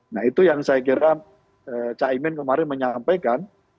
nah itu yang saya kira cak imin kemarin menyampaikan